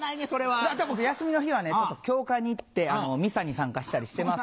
あとは僕休みの日はね教会に行ってミサに参加したりしてます。